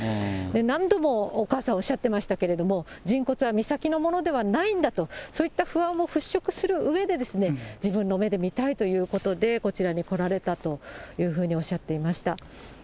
何度もお母さんおっしゃってましたけれども、人骨は美咲のものではないんだと、そういった不安を払しょくするうえで、自分の目で見たいということで、こちらに来られたというふうにおっしゃっていました。